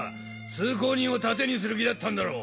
通行人を盾にする気だったんだろう！